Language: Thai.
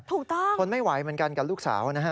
ถูกต้องคนไม่ไหวเหมือนกันกับลูกสาวนะฮะ